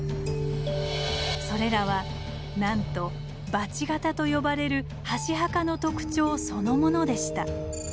それらはなんと「バチ形」と呼ばれる箸墓の特徴そのものでした。